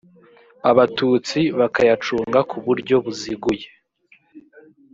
abatutsi bakayacunga ku buryo buziguye